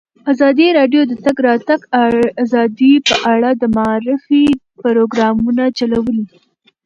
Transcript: ازادي راډیو د د تګ راتګ ازادي په اړه د معارفې پروګرامونه چلولي.